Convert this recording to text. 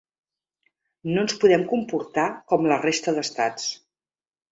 No ens podem comportar com la resta d’estats.